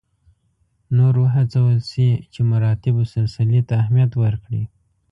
نور وهڅول شي چې مراتبو سلسلې ته اهمیت ورکړي.